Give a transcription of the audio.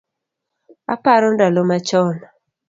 Aparo ndalo machon